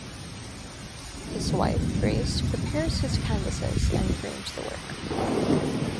His wife Grace prepares his canvases and frames the work.